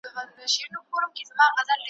چي شېبه مخکي په ښکر وو نازېدلی ,